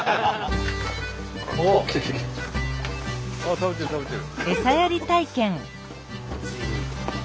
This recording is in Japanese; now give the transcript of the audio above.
食べてる食べてる。